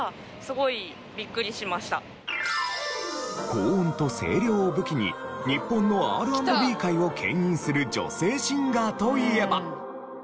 高音と声量を武器に日本のＲ＆Ｂ界を牽引する女性シンガーといえば。